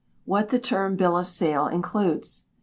What the term "Bill of Sale" includes.